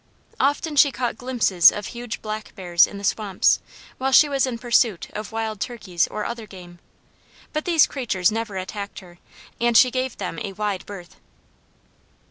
Often she caught glimpses of huge black bears in the swamps, while she was in pursuit of wild turkeys or other game; but these creatures never attacked her, and she gave them a wide berth.